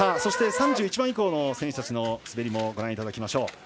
３１番以降の選手たちの滑りもご覧いただきましょう。